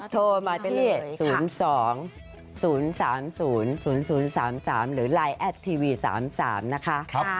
โทรมาที่๐๒๐๓๐๐๓๓หรือไลน์แอดทีวี๓๓นะคะ